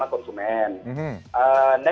yang konsumen titup dinding sama konsumen